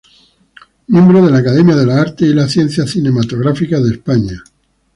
Miembro de la Academia de las Artes y las Ciencias Cinematográficas de España.